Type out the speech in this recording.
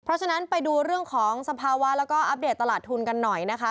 เพราะฉะนั้นไปดูเรื่องของสภาวะแล้วก็อัปเดตตลาดทุนกันหน่อยนะคะ